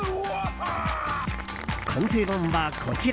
完成版はこちら。